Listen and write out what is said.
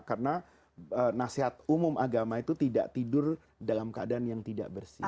karena nasihat umum agama itu tidak tidur dalam keadaan yang tidak bersih